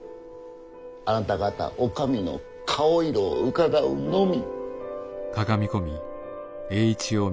あなた方お上の顔色をうかがうのみ。